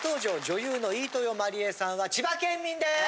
女優の飯豊まりえさんは千葉県民です。